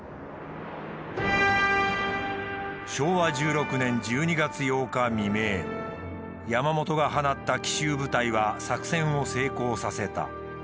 昭和１６年１２月８日未明山本が放った奇襲部隊は作戦を成功させた。